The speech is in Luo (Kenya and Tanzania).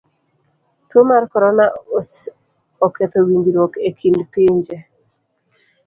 Tuo mar korona oketho winjruok e kind pinje.